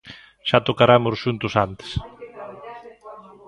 Xa tocaramos xuntos antes.